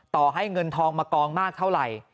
ต่อให้เงินทองมากองมากเท่าไหร่